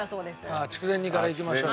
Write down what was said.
ああ筑前煮からいきましょう。